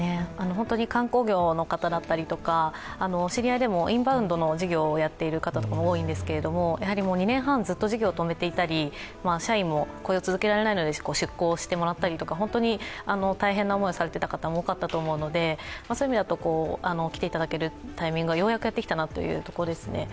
本当に観光業の方だったりとか知り合いでもインバウンドの事業をやっている方も多いのですけれども、２年半ずっと事業を止めていたり社員も雇用を続けられないので出向してもらったり、本当に大変な思いをされていた方多かったと思うので、そういう意味では来ていただけるタイミングがようやくやってきたなというところですね。